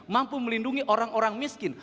mampu melindungi orang orang miskin